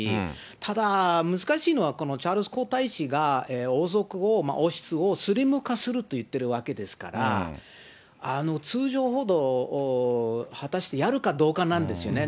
ただ、難しいのは、チャールズ皇太子が王族を、王室をスリム化すると言ってるわけですから、通常ほど果たしてやるかどうかなんですよね。